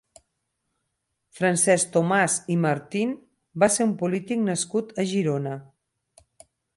Francesc Tomàs i Martín va ser un polític nascut a Girona.